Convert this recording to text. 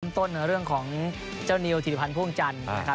เริ่มต้นเรื่องของเจ้านิวถิวิภัณฑ์พ่วงจันทร์